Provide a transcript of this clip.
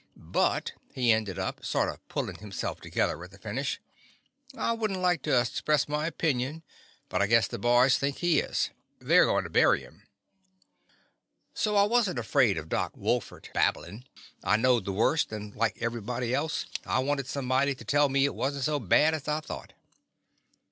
But," he ended up, sort of puUin' hisself together at the finish, "I would n't like to express an opinion, but I guess the boys think he is. They are goin' to bury him." The Confessions of a Daddy So I was n't afraid of Doc Wolfert blabbin'. I knowed the worst, and, like everybody else, I wanted some body to tell me it was n't so bad as I thought.